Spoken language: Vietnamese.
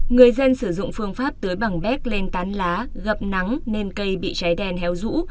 người dân sử dụng phương pháp tưới bằng béc lên tán lá gập nắng nên cây bị cháy đèn héo dũ